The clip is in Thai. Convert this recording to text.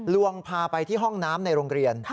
ลวงพาไปที่ห้องน้ำในโรงเรียน